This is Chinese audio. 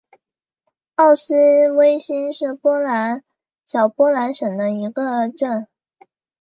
奥斯威辛是波兰小波兰省的一个镇。